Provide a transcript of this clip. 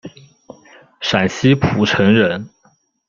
陕西蒲城人。